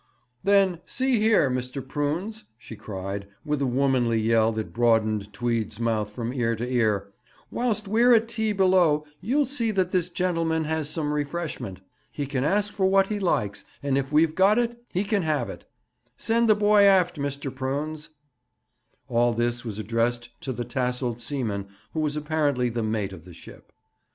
'Then, see here, Mr. Prunes,' she cried, with a womanly yell that broadened Tweed's mouth from ear to ear; 'whilst we're at tea below, you'll see that this gentleman has some refreshment. He can ask for what he likes, and if we've got it, he can have it. Send the boy aft, Mr. Prunes.' All this was addressed to the tasselled seaman who was apparently the mate of the ship.